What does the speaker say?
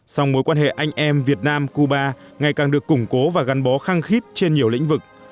song mối quan hệ anh em việt nam cuba ngày càng được củng cố và gắn bó khăng khít trên nhiều lĩnh vực